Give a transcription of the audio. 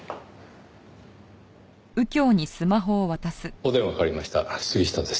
お電話代わりました杉下です。